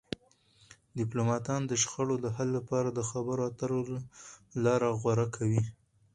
ډيپلومات د شخړو د حل لپاره د خبرو اترو لار غوره کوي.